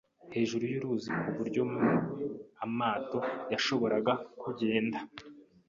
hejuru y'uruzi ku buryo amato yashoboraga kugenda